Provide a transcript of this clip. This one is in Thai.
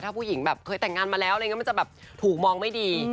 ถ้าผู้หญิงแบบเคยแต่งงานมาแล้วอะไรอย่างนี้มันจะแบบถูกมองไม่ดี